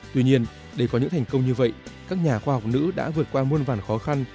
tuy nhiên để có những thành công như vậy các nhà khoa học nữ đã vượt qua muôn vàn khó khăn